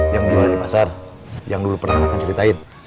yang dulu lagi pasar yang dulu pernah akan ceritain